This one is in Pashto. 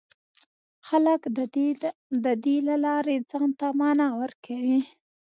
خلک د دې له لارې ځان ته مانا ورکوي.